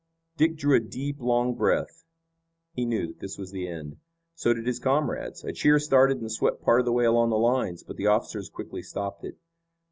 Dick drew a deep, long breath. He knew that this was the end. So did his comrades. A cheer started and swept part of the way along the lines, but the officers quickly stopped it.